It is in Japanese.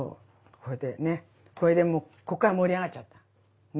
これでねこれでもうこっから盛り上がっちゃったね。